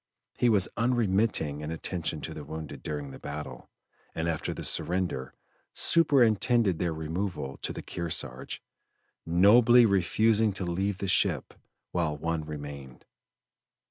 He was unremitting in attention to the wounded during the battle, and after the surrender, superintended their removal to the Kearsarge, nobly refusing to leave the ship while one remained.